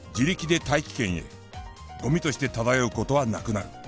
ゴミとして漂う事はなくなる。